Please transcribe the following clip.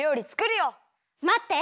まって！